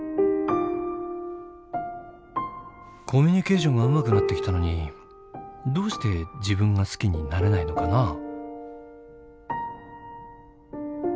コミュニケーションがうまくなってきたのにどうして自分が好きになれないのかな？